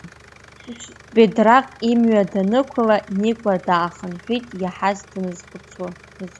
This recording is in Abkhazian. Бедраҟ имҩа данықәла, Никәа даахынҳәит, иаҳаз дазхәыцуа.